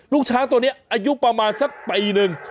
ลูกช้างตัวนี้อายุประมาณสักปีหนึ่ง